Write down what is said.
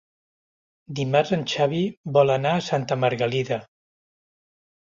Dimarts en Xavi vol anar a Santa Margalida.